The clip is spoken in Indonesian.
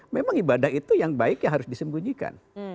memang ibadah itu yang baik ya harus disembunyikan